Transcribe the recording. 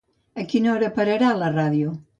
A quina hora pararà la ràdio?